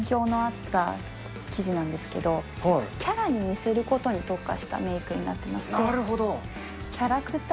反響のあった記事なんですけど、キャラに似せることに特化したメークになってまして。